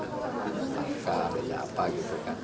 tinggal beda tempat kita ada angka beda apa gitu kan